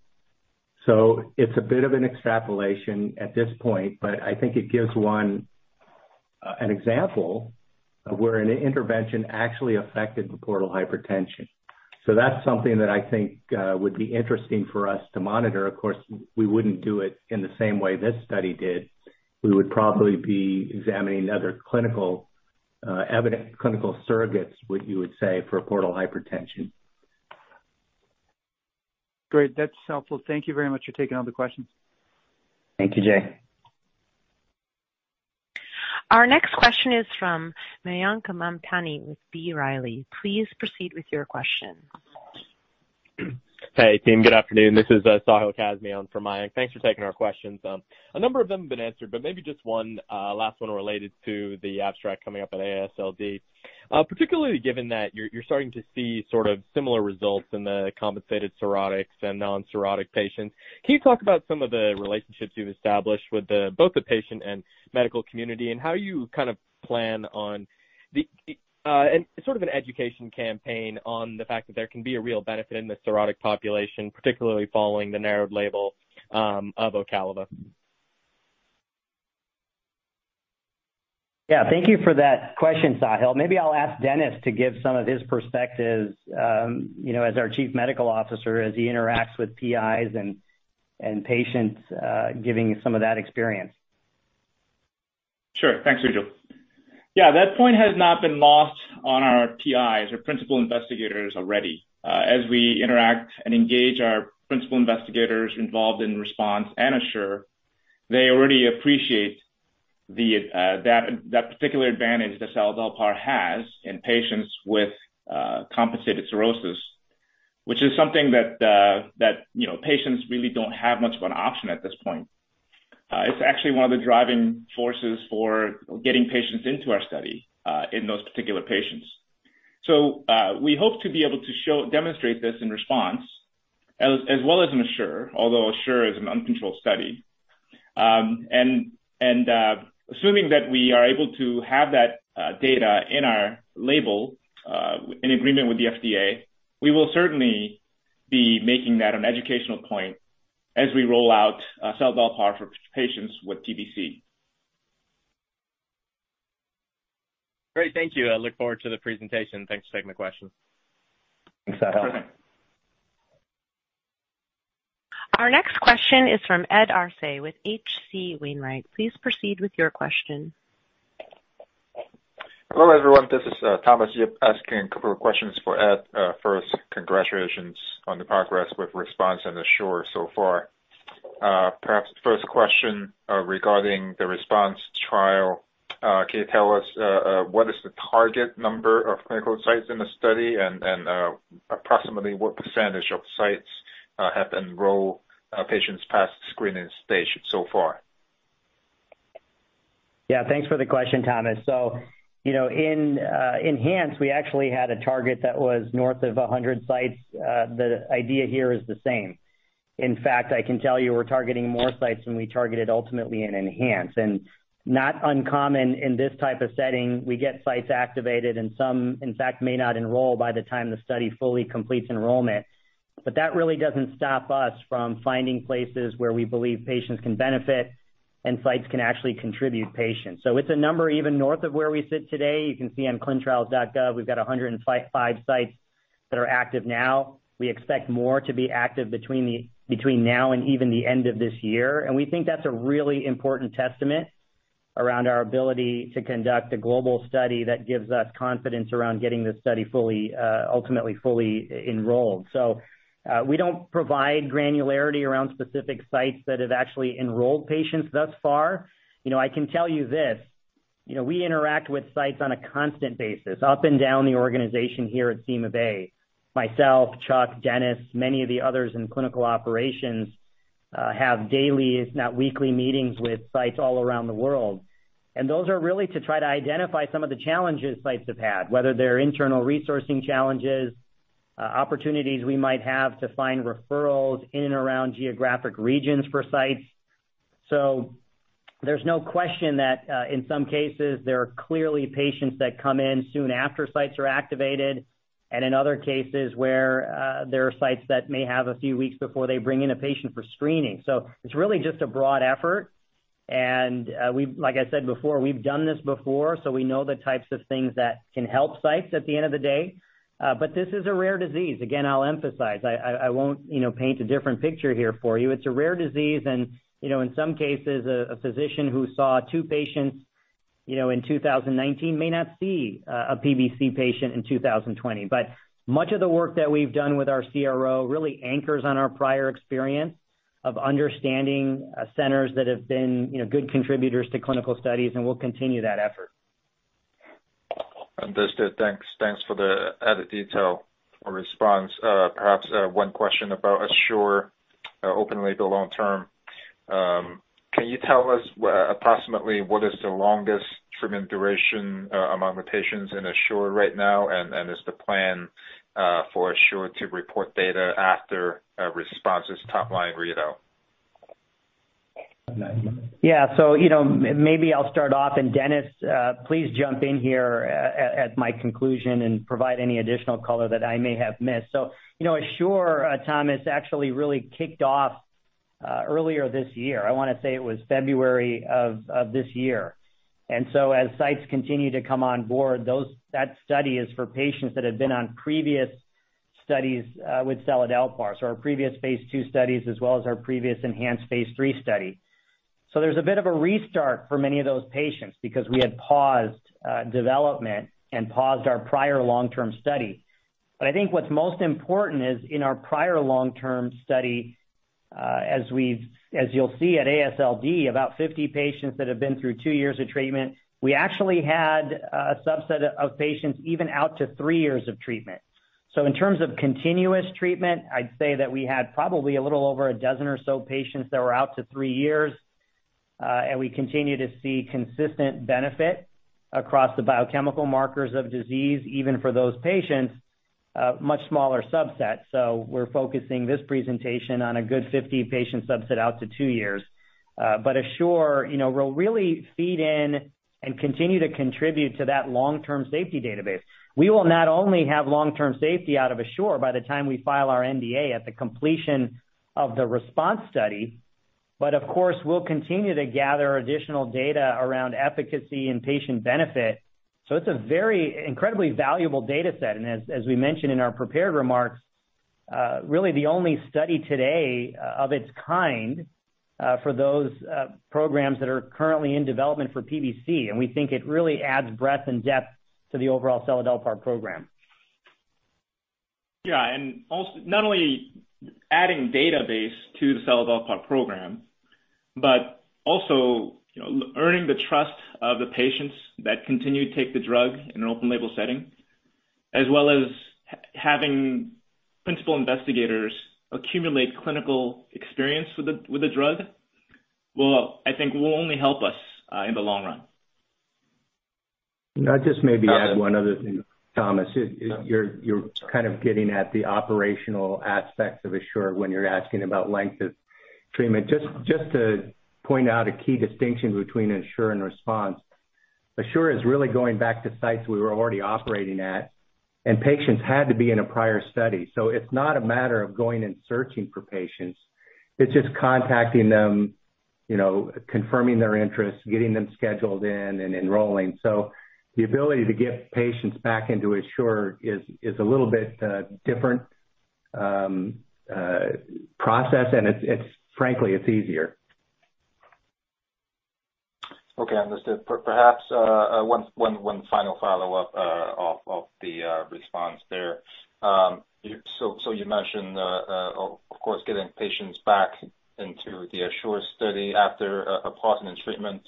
It's a bit of an extrapolation at this point, but I think it gives one an example of where an intervention actually affected the portal hypertension. That's something that I think would be interesting for us to monitor. Of course, we wouldn't do it in the same way this study did. We would probably be examining other clinically evident surrogates, what you would say, for portal hypertension. Great. That's helpful. Thank you very much for taking all the questions. Thank you, Jay. Our next question is from Mayank Mamtani with B. Riley. Please proceed with your question. Hey, team. Good afternoon. This is Sahil Kazmi on for Mayank. Thanks for taking our questions. A number of them have been answered, but maybe just one last one related to the abstract coming up at AASLD. Particularly given that you're starting to see sort of similar results in the compensated cirrhotics and non-cirrhotic patients, can you talk about some of the relationships you've established with both the patient and medical community and how you kind of plan on and sort of an education campaign on the fact that there can be a real benefit in the cirrhotic population, particularly following the narrowed label of Ocaliva? Yeah. Thank you for that question, Sahil. Maybe I'll ask Dennis to give some of his perspectives, you know, as our Chief Medical Officer, as he interacts with PIs and patients, giving some of that experience. Sure. Thanks, Sujal. Yeah, that point has not been lost on our PIs or Principal Investigators already. As we interact and engage our Principal Investigators involved in RESPONSE and ASSURE, they already appreciate that particular advantage that seladelpar has in patients with compensated cirrhosis, which is something that you know, patients really don't have much of an option at this point. It's actually one of the driving forces for getting patients into our study in those particular patients. We hope to be able to show, demonstrate this in RESPONSE as well as in ASSURE, although ASSURE is an uncontrolled study. Assuming that we are able to have that data in our label in agreement with the FDA, we will certainly be making that an educational point as we roll out seladelpar for patients with PBC. Great. Thank you. I look forward to the presentation. Thanks for taking my question. Thanks, Sahil. Our next question is from Ed Arce with H.C. Wainwright. Please proceed with your question. Hello, everyone. This is Thomas Yip asking a couple of questions for Ed. First, congratulations on the progress with RESPONSE and ASSURE so far. Perhaps first question regarding the RESPONSE trial. Can you tell us what is the target number of clinical sites in the study and approximately what percentage of sites have enrolled patients past screening stage so far? Yeah. Thanks for the question, Thomas. You know, in ENHANCE, we actually had a target that was north of 100 sites. The idea here is the same. In fact, I can tell you we're targeting more sites than we targeted ultimately in ENHANCE. Not uncommon in this type of setting, we get sites activated, and some in fact may not enroll by the time the study fully completes enrollment. That really doesn't stop us from finding places where we believe patients can benefit and sites can actually contribute patients. It's a number even north of where we sit today. You can see on clinicaltrials.gov, we've got 105 sites that are active now. We expect more to be active between now and even the end of this year. We think that's a really important testament around our ability to conduct a global study that gives us confidence around getting this study fully enrolled. We don't provide granularity around specific sites that have actually enrolled patients thus far. You know, I can tell you this, you know, we interact with sites on a constant basis up and down the organization here at CymaBay. Myself, Chuck, Dennis, many of the others in clinical operations have daily, if not weekly, meetings with sites all around the world. Those are really to try to identify some of the challenges sites have had, whether they're internal resourcing challenges, opportunities we might have to find referrals in and around geographic regions for sites. There's no question that in some cases there are clearly patients that come in soon after sites are activated, and in other cases where there are sites that may have a few weeks before they bring in a patient for screening. It's really just a broad effort. Like I said before, we've done this before, so we know the types of things that can help sites at the end of the day. This is a rare disease. Again, I'll emphasize. I won't, you know, paint a different picture here for you. It's a rare disease and, you know, in some cases a physician who saw two patients, you know, in 2019 may not see a PBC patient in 2020. Much of the work that we've done with our CRO really anchors on our prior experience of understanding centers that have been good contributors to clinical studies, and we'll continue that effort. Understood. Thanks. Thanks for the added detail or response. Perhaps one question about ASSURE, open label long-term. Can you tell us approximately what is the longest treatment duration among the patients in ASSURE right now? And is the plan for ASSURE to report data after RESPONSE's top line readout? Yeah. You know, maybe I'll start off, and Dennis, please jump in here at my conclusion and provide any additional color that I may have missed. You know, ASSURE, Thomas, actually really kicked off earlier this year. I wanna say it was February of this year. As sites continue to come on board, that study is for patients that have been on previous studies with seladelpar. Our previous phase II studies as well as our previous ENHANCE phase III study. There's a bit of a restart for many of those patients because we had paused development and paused our prior long-term study. I think what's most important is in our prior long-term study, as you'll see at AASLD, about 50 patients that have been through two years of treatment, we actually had a subset of patients even out to three years of treatment. In terms of continuous treatment, I'd say that we had probably a little over a dozen or so patients that were out to three years, and we continue to see consistent benefit across the biochemical markers of disease, even for those patients, much smaller subsets. We're focusing this presentation on a good 50-patient subset out to two years. ASSURE, you know, will really feed in and continue to contribute to that long-term safety database. We will not only have long-term safety out of ASSURE by the time we file our NDA at the completion of the RESPONSE study, but of course, we'll continue to gather additional data around efficacy and patient benefit. It's a very incredibly valuable data set. As we mentioned in our prepared remarks, really the only study today of its kind for those programs that are currently in development for PBC. We think it really adds breadth and depth to the overall seladelpar program. Not only adding data to the seladelpar program, but also, you know, earning the trust of the patients that continue to take the drug in an open label setting, as well as having Principal Investigators accumulate clinical experience with the drug will, I think, only help us in the long run. I'll just maybe add one other thing, Thomas. You're kind of getting at the operational aspects of ASSURE when you're asking about length of treatment. Just to point out a key distinction between ASSURE and RESPONSE. ASSURE is really going back to sites we were already operating at, and patients had to be in a prior study. So it's not a matter of going and searching for patients, it's just contacting them, you know, confirming their interest, getting them scheduled in and enrolling. So the ability to get patients back into ASSURE is a little bit different process, and it's frankly easier. Okay. Understood. Perhaps one final follow-up off the RESPONSE there. You mentioned, of course, getting patients back into the ASSURE study after pausing treatment.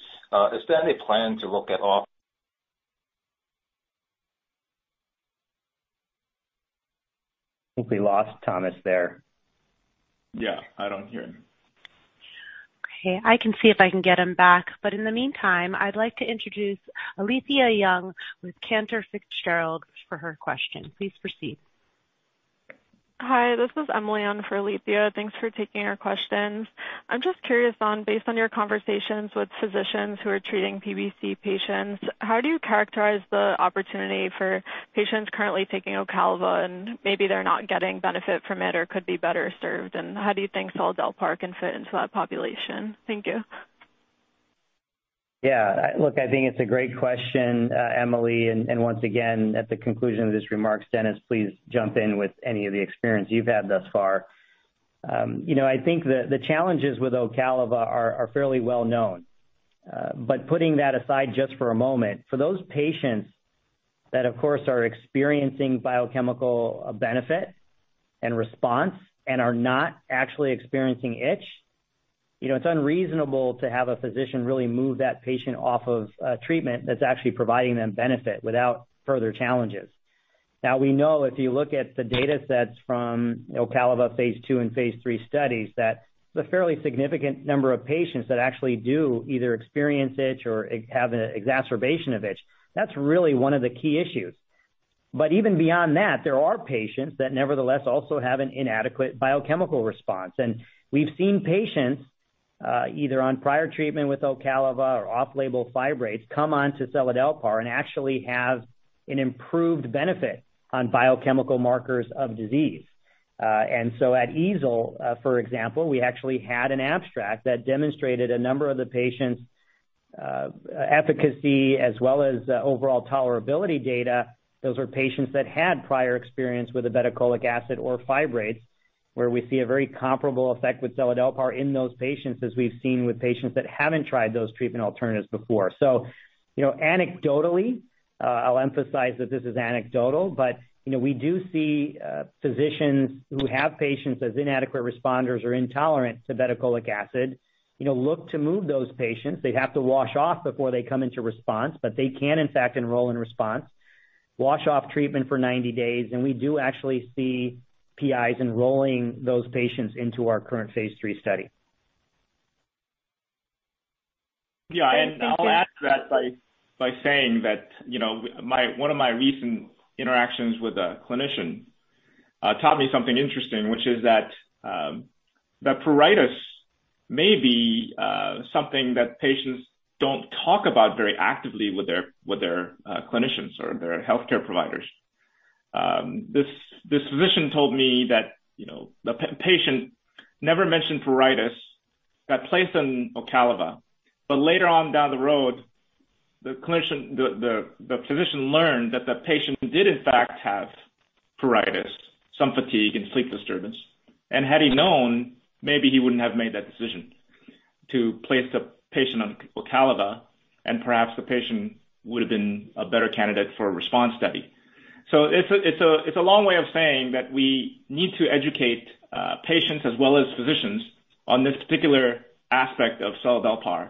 Is there any plan to look at all? I think we lost Thomas there. Yeah, I don't hear him. Okay, I can see if I can get him back. In the meantime, I'd like to introduce Alethia Young with Cantor Fitzgerald for her question. Please proceed. Hi, this is Emily on for Alethia. Thanks for taking our questions. I'm just curious on, based on your conversations with physicians who are treating PBC patients, how do you characterize the opportunity for patients currently taking Ocaliva, and maybe they're not getting benefit from it or could be better served? How do you think seladelpar can fit into that population? Thank you. Yeah. Look, I think it's a great question, Emily. Once again, at the conclusion of these remarks, Dennis, please jump in with any of the experience you've had thus far. You know, I think the challenges with Ocaliva are fairly well known. But putting that aside just for a moment, for those patients that, of course, are experiencing biochemical benefit and response and are not actually experiencing itch, you know, it's unreasonable to have a physician really move that patient off of treatment that's actually providing them benefit without further challenges. Now, we know if you look at the datasets from Ocaliva phase II and phase III studies, that the fairly significant number of patients that actually do either experience itch or have an exacerbation of itch, that's really one of the key issues. Even beyond that, there are patients that nevertheless also have an inadequate biochemical response. We've seen patients, either on prior treatment with Ocaliva or off-label fibrates come on to seladelpar and actually have an improved benefit on biochemical markers of disease. At EASL, for example, we actually had an abstract that demonstrated a number of the patients' efficacy as well as overall tolerability data. Those were patients that had prior experience with the ursodeoxycholic acid or fibrates, where we see a very comparable effect with seladelpar in those patients as we've seen with patients that haven't tried those treatment alternatives before. You know, anecdotally, I'll emphasize that this is anecdotal, but, you know, we do see, physicians who have patients as inadequate responders or intolerant to ursodeoxycholic acid, you know, look to move those patients. They have to washout before they come into RESPONSE, but they can, in fact, enroll in RESPONSE, washout treatment for 90 days, and we do actually see PIs enrolling those patients into our current phase III study. Yeah. I'll add to that by saying that, you know, one of my recent interactions with a clinician taught me something interesting, which is that pruritus may be something that patients don't talk about very actively with their clinicians or their healthcare providers. This physician told me that, you know, the patient never mentioned pruritus. That patient was placed on Ocaliva. Later on down the road, the physician learned that the patient did in fact have pruritus, some fatigue and sleep disturbance. Had he known, maybe he wouldn't have made that decision to place the patient on Ocaliva, and perhaps the patient would have been a better candidate for a RESPONSE study. It's a long way of saying that we need to educate patients as well as physicians on this particular aspect of seladelpar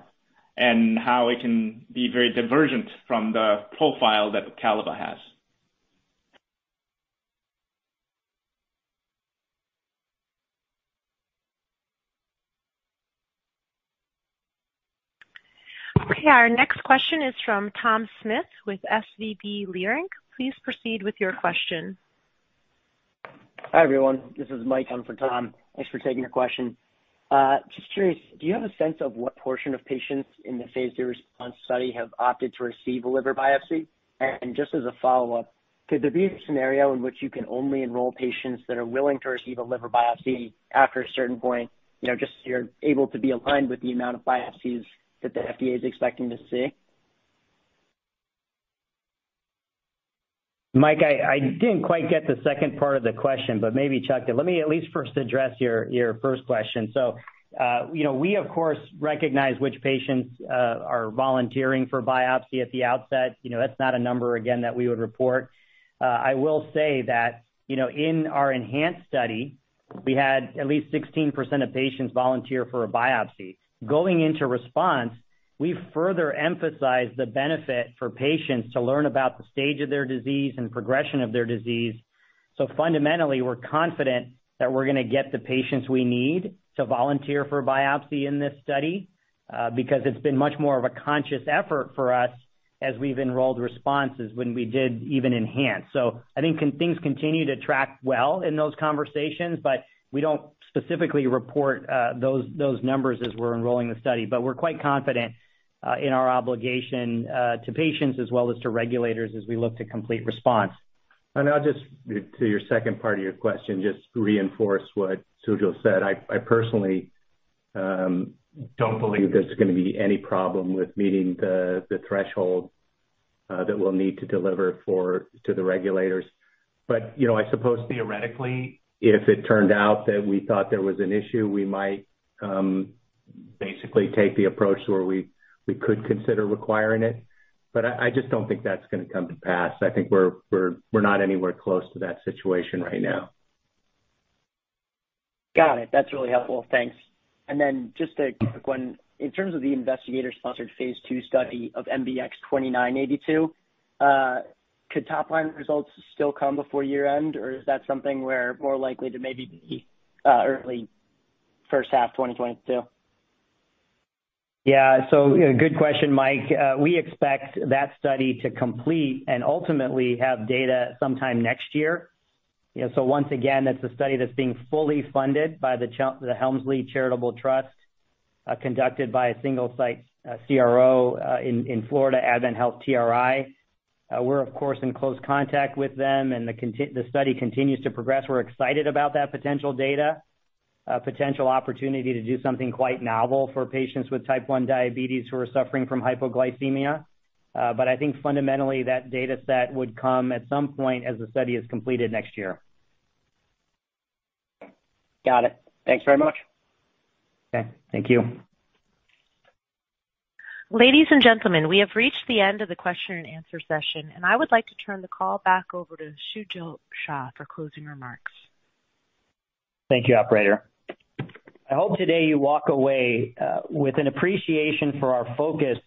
and how it can be very divergent from the profile that Ocaliva has. Okay. Our next question is from Tom Smith with SVB Leerink. Please proceed with your question. Hi, everyone. This is Mike in for Tom. Thanks for taking the question. Just curious, do you have a sense of what portion of patients in the phase III RESPONSE study have opted to receive a liver biopsy? And just as a follow-up, could there be a scenario in which you can only enroll patients that are willing to receive a liver biopsy after a certain point, you know, just so you're able to be aligned with the amount of biopsies that the FDA is expecting to see? Mike, I didn't quite get the second part of the question, but maybe Chuck did. Let me at least first address your first question. You know, we of course recognize which patients are volunteering for biopsy at the outset. You know, that's not a number again that we would report. I will say that, you know, in our ENHANCE study, we had at least 16% of patients volunteer for a biopsy. Going into RESPONSE, we further emphasize the benefit for patients to learn about the stage of their disease and progression of their disease. Fundamentally, we're confident that we're gonna get the patients we need to volunteer for a biopsy in this study, because it's been much more of a conscious effort for us as we've enrolled RESPONSE when we did even ENHANCE. I think things continue to track well in those conversations, but we don't specifically report those numbers as we're enrolling the study. We're quite confident in our obligation to patients as well as to regulators as we look to complete response. I'll just, to your second part of your question, just reinforce what Sujal said. I personally don't believe there's gonna be any problem with meeting the threshold that we'll need to deliver to the regulators. But, you know, I suppose theoretically, if it turned out that we thought there was an issue, we might basically take the approach where we could consider requiring it. But I just don't think that's gonna come to pass. I think we're not anywhere close to that situation right now. Got it. That's really helpful. Thanks. Just a quick one. In terms of the investigator-sponsored phase II study of MBX-2982, could top line results still come before year-end, or is that something we're more likely to maybe be, early first half 2022? Yeah. Good question, Mike. We expect that study to complete and ultimately have data sometime next year. Once again, that's a study that's being fully funded by the Helmsley Charitable Trust, conducted by a single site CRO in Florida, AdventHealth TRI. We're, of course, in close contact with them, and the study continues to progress. We're excited about that potential data, potential opportunity to do something quite novel for patients with type 1 diabetes who are suffering from hypoglycemia. I think fundamentally that dataset would come at some point as the study is completed next year. Got it. Thanks very much. Okay. Thank you. Ladies and gentlemen, we have reached the end of the question-and-answer session, and I would like to turn the call back over to Sujal Shah for closing remarks. Thank you, operator. I hope today you walk away with an appreciation for our focus,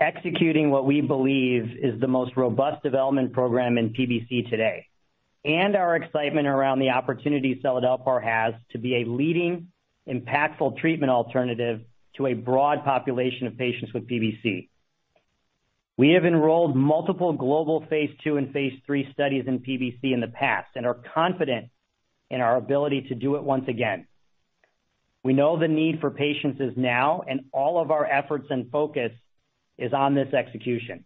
executing what we believe is the most robust development program in PBC today, and our excitement around the opportunity seladelpar has to be a leading impactful treatment alternative to a broad population of patients with PBC. We have enrolled multiple global phase II and phase III studies in PBC in the past and are confident in our ability to do it once again. We know the need for patients is now, and all of our efforts and focus is on this execution.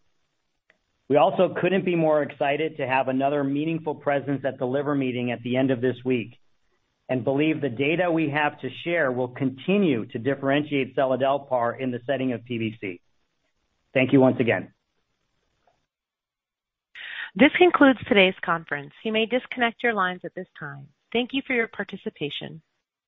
We also couldn't be more excited to have another meaningful presence at The Liver Meeting at the end of this week and believe the data we have to share will continue to differentiate seladelpar in the setting of PBC. Thank you once again. This concludes today's conference. You may disconnect your lines at this time. Thank you for your participation.